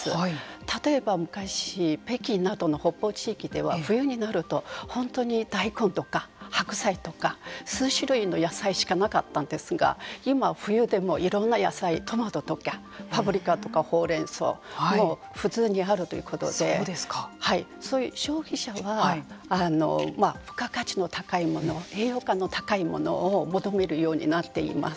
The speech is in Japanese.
例えば昔北京などの北方地域では冬になると本当に大根とか白菜とか数種類の野菜しかなかったんですが今、冬でもいろんな野菜トマトとかパプリカとかホウレンソウ普通にあるということでそういう消費者は付加価値の高いもの栄養価の高いものを求めるようになっています。